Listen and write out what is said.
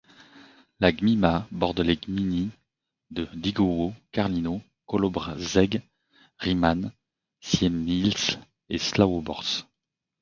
La gmina borde les gminy de Dygowo, Karlino, Kołobrzeg, Rymań, Siemyśl et Sławoborze.